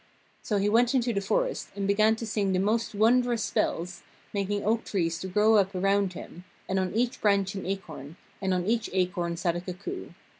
So he went into the forest and began to sing the most wondrous spells, making oak trees to grow up around him, and on each branch an acorn, and on each acorn sat a cuckoo.